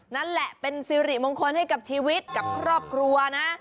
นั่นแหละเป็นสิริมงคลให้กับชีวิตกับครอบครัวนะ